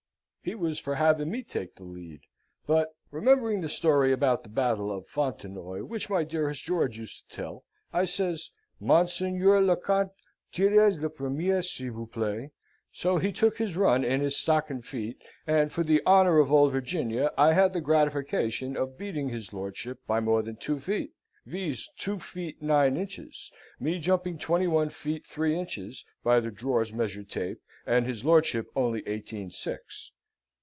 "He was for having me take the lead; but, remembering the story about the Battel of Fontanoy which my dearest George used to tell, I says, 'Monseigneur le Comte, tirez le premier, s'il vous play.' So he took his run in his stocken feet, and for the honour of Old Virginia, I had the gratafacation of beating his lordship by more than two feet viz., two feet nine inches me jumping twenty one feet three inches, by the drawer's measured tape, and his lordship only eighteen six.